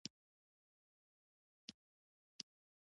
افغانانو ته د ژوند کولو لارې چارې برابرې کړې